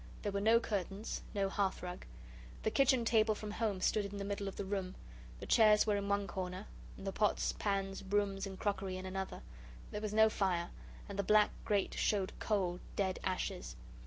There were no curtains, no hearth rug. The kitchen table from home stood in the middle of the room. The chairs were in one corner, and the pots, pans, brooms, and crockery in another. There was no fire, and the black grate showed cold, dead ashes.